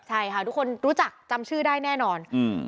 ใช่ค่ะทุกคนรู้จักจำชื่อได้แน่นอน